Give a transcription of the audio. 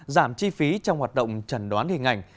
giảm chi phí trong hoạt động trần đoán hình ảnh